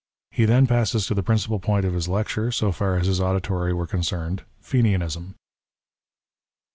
He then passes to the principal point of his lecture, so far as his auditory were concerned — Eenianism.